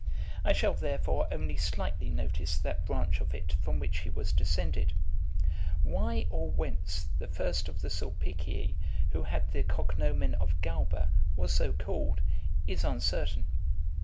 I shall, therefore, only slightly notice that branch of it from which he was descended. Why, or whence, the first of the Sulpicii who had the cognomen of Galba, was so called, is uncertain.